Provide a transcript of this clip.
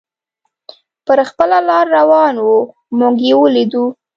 پر خپله لار روان و، موږ یې ولیدو.